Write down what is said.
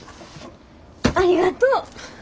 ありがとう！